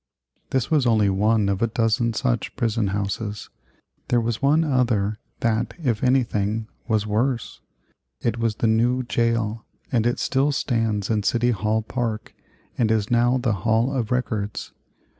This was only one of a dozen such prison houses. There was one other that, if anything, was worse. It was the New Jail, and it still stands in City Hall Park and is now the Hall of Records.